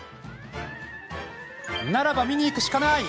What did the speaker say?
ならば見に行くしかない！